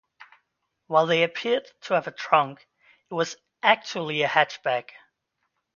While they appeared to have a trunk, it was actually a hatchback.